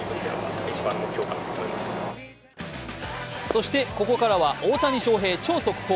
そしてここからは大谷翔平、超速報。